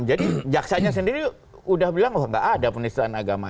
jadi jaksanya sendiri sudah bilang oh tidak ada penistaan agama